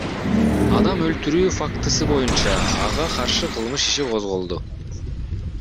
Адам өлтүрүү фактысы боюнча ага каршы кылмыш иши козголду.